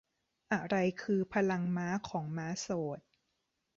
อะไรคือพลังม้าของม้าโสด